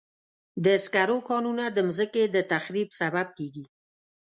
د سکرو کانونه د مځکې د تخریب سبب کېږي.